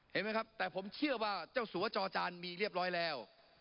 เห็นไหมครับแต่ผมเชื่อว่าเจ้าสัวจอจานมีเรียบร้อยแล้ว